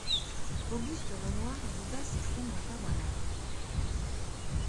Auguste Renoir guida ses premiers pas dans l'art.